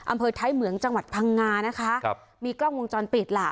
อำเภอท้ายเหมืองจังหวัดพังงานะคะครับมีกล้องวงจรปิดล่ะ